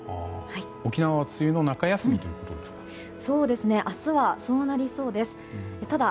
沖縄は梅雨の中休みということですか？